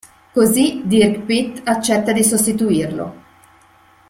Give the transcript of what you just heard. Così Dirk Pitt accetta di sostituirlo.